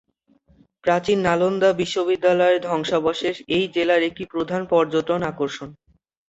প্রাচীন নালন্দা বিশ্ববিদ্যালয়ের ধ্বংসাবশেষ এই জেলার একটি প্রধান পর্যটন আকর্ষণ।